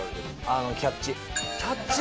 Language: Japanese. あのキャッチ。